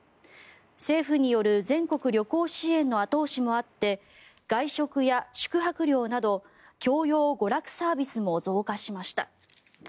政府による全国旅行支援の後押しもあって外食や宿泊料など教養娯楽サービスも増加しました。